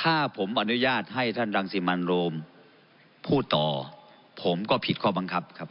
ถ้าผมอนุญาตให้ท่านรังสิมันโรมพูดต่อผมก็ผิดข้อบังคับครับ